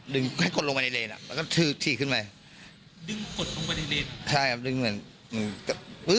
โดนครับ